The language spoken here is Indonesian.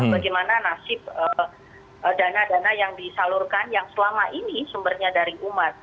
bagaimana nasib dana dana yang disalurkan yang selama ini sumbernya dari umat